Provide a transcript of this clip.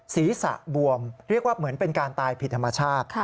ศีรษะบวมเรียกว่าเหมือนเป็นการตายผิดธรรมชาติ